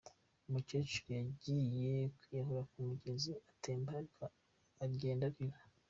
Umukecuru yagiye kwiyahura ku mugezi utemba, ariko agenda arira.